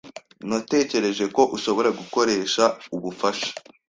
Natekereje ko ushobora gukoresha ubufasha.